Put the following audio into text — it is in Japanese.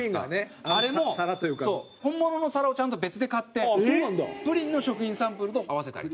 あれも本物の皿をちゃんと別で買ってプリンの食品サンプルと合わせたりとかして。